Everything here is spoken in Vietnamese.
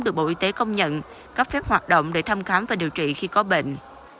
được bộ y tế công nhận cấp phép hoạt động để thăm khám và điều trị khi có bệnh